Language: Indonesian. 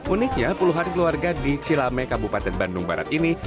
uniknya puluhan keluarga di cilame kabupaten bandung barat ini